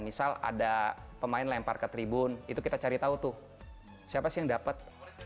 misal ada pemain lempar ke tribun itu kita cari tahu tuh siapa sih yang dapat